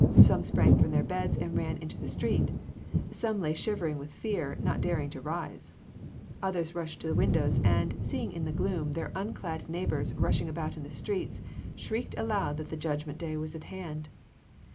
Some sprang from their beds and ran into the street; some lay shivering with fear, not daring to rise; others rushed to the windows, and, seeing in the gloom their unclad neighbors rushing about the streets, shrieked aloud that the judgment day was at hand.